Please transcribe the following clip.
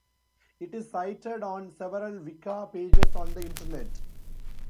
It is cited on several Wicca pages on the internet.